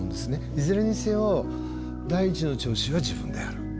いずれにせよ第１の聴衆は自分である。